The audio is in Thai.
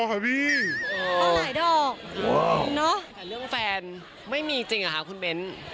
กำลังใหม่เรื่องแฟนไม่มีจริงนะคะคุณเบ้น